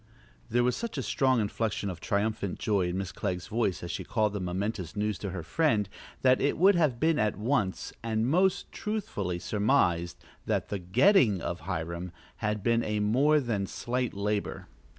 There was such a strong inflection of triumphant joy in Miss Clegg's voice as she called the momentous news to her friend that it would have been at once and most truthfully surmised that the getting of Hiram had been a more than slight labor.